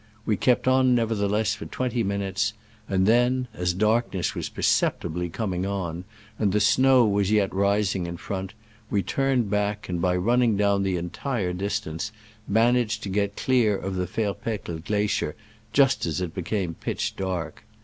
We kept on nevertheless for twenty minutes, and then, as darkness was perceptibly coming on, and the snow was yet rising in front, we turned back, and by running down the entire distance managed to get clear of the Ferpecle glacier just as it became pitch dark.